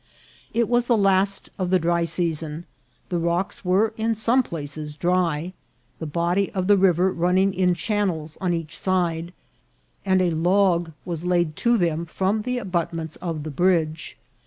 It was the last of the dry season ; the rocks were in some places dry, the body of the river running in channels on each side, and a log was laid to them from the abutments of the bridge.